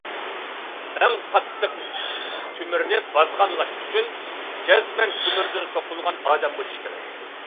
ئەڭ قاتتىق تۆمۈرنى بازغانلاش ئۈچۈن، جەزمەن تۆمۈردىن سوقۇلغان ئادەم بولۇش كېرەك.